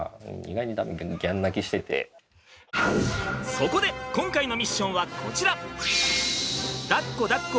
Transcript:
そこで今回のミッションはこちら。